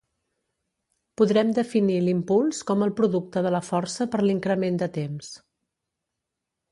Podrem definir l'impuls com el producte de la força per l'increment de temps.